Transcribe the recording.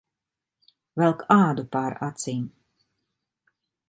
Velk ādu pār acīm.